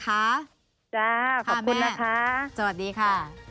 ค่ะแม่สวัสดีค่ะขอบคุณนะคะ